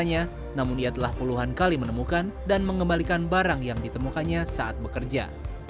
namun ia telah puluhan kali menemukan dan mengembalikan barang yang ditemukannya saat bekerja